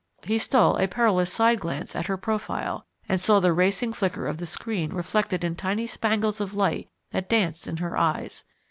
He stole a perilous side glance at her profile, and saw the racing flicker of the screen reflected in tiny spangles of light that danced in her eyes.